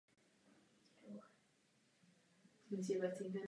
Nadvládu vozů Ferrari přerušil David Coulthard vítězstvím v Grand Prix Monaka.